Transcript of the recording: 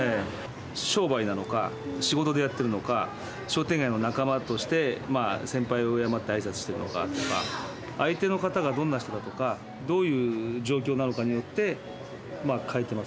商売なのか仕事でやってるのか商店街の仲間として先輩を敬って挨拶しているのかとか相手の方がどんな人だとかどういう状況なのかによって変えてますね。